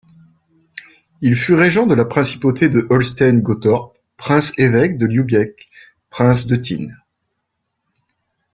Il fut régent de la principauté de Holstein-Gottorp, prince-évêque de Lübeck, prince d'Eutin.